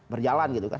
berjalan gitu kan